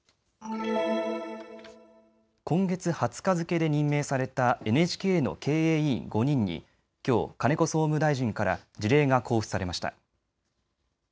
今月２０日付けで任命されたＮＨＫの経営委員５人にきょう金子総務大臣から辞令が交付されました。